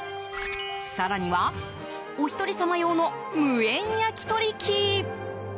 更には、おひとり様用の無煙焼き鳥器。